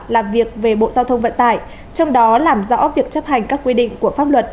làm việc về bộ giao thông vận tải trong đó làm rõ việc chấp hành các quy định của pháp luật